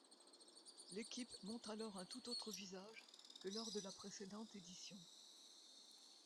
L'équipe montre alors un tout autre visage que lors de la précédente édition.